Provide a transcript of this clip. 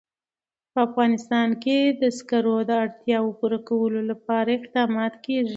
په افغانستان کې د زغال د اړتیاوو پوره کولو لپاره اقدامات کېږي.